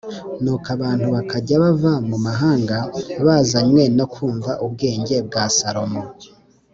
Nuko abantu bakajya bava mu mahanga bazanywe no kumva ubwenge bwa Salomo